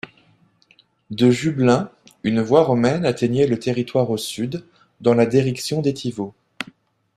De Jublains, une voie romaine atteignait le territoire au Sud, dans la direction d'Étiveau.